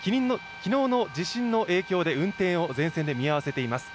昨日の地震の影響で運転を全線で見合せています。